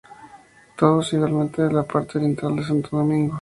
Todos igualmente de la parte oriental de Santo Domingo.